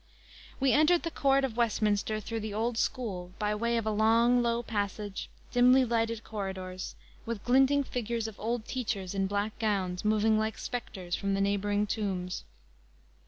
We entered the court of Westminster through the old school by way of a long, low passage, dimly lighted corridors, with glinting figures of old teachers in black gowns, moving like specters from the neighboring tombs.